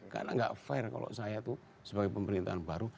karena tidak fair kalau saya itu sebagai pemerintahan baru